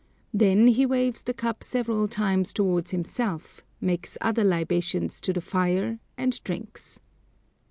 Then he waves the cup several times towards himself, makes other libations to the fire, and drinks.